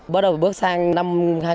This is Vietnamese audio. bắt đầu bước sang năm hai nghìn một mươi tám